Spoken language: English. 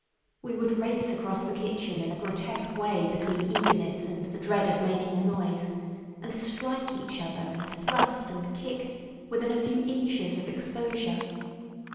We would race across the kitchen in a grotesque way between eagerness and the dread of making a noise, and strike each other, and thrust and kick, within a few inches of exposure.